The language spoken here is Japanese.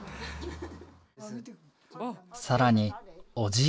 更におじいさん。